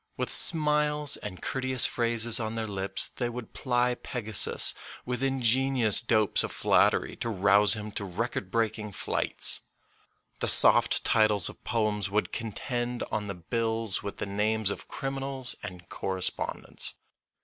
With smiles and courteous phrases on their lips they would ply Pegasus with ingenious dopes of flattery to rouse him to record breaking flights. The soft titles of poems would contend on the bills with the names of criminals and co respondents.